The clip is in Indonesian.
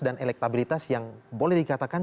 dan elektabilitas yang boleh dikatakan